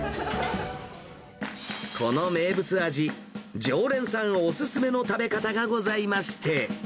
この名物味、常連さんお勧めの食べ方がございまして。